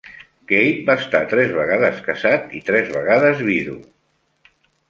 Cape va estar tres vegades casat i tres vegades vidu.